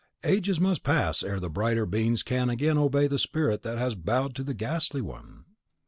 Ages must pass ere the brighter beings can again obey the spirit that has bowed to the ghastly one!